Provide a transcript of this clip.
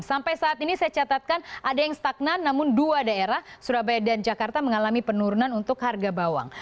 sampai saat ini saya catatkan ada yang stagnan namun dua daerah surabaya dan jakarta mengalami penurunan untuk harga bawang